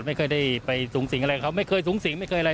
ไม่เคยจะไปสุงสิงอะไร